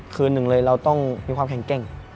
คืนหนึ่งเลยเราต้องมีความแข็งแกร่ง